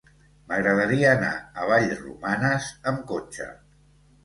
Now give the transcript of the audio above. M'agradaria anar a Vallromanes amb cotxe.